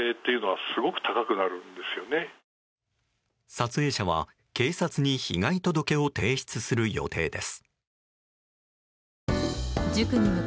撮影者は警察に被害届を提出する予定です。